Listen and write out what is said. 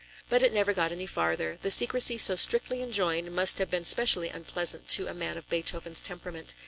But it never got any further. The secrecy so strictly enjoined, must have been specially unpleasant to a man of Beethoven's temperament.